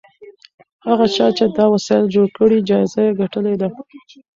هغه چا چې دا وسایل جوړ کړي جایزه یې ګټلې ده.